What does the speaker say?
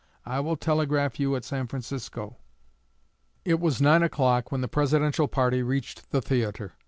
I will telegraph you at San Francisco." It was nine o'clock when the Presidential party reached the theatre.